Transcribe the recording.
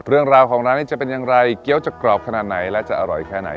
เรื่องราวของร้านนี้จะเป็นอย่างไรเกี้ยวจะกรอบขนาดไหนและจะอร่อยแค่ไหน